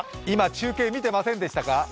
今、中継見てませんでしたか？